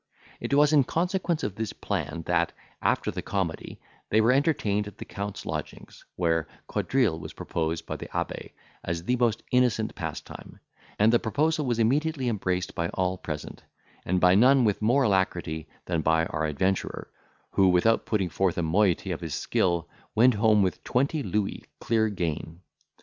It was in consequence of this plan, that, after the comedy, they were entertained at the count's lodgings, where quadrille was proposed by the abbe, as the most innocent pastime, and the proposal was immediately embraced by all present, and by none with more alacrity than by our adventurer, who, without putting forth a moiety of his skill, went home with twenty louis clear gain.